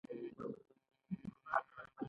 فیوډالانو په خپل مالکیت کې کسبګر لرل.